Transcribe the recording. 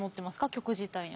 曲自体に。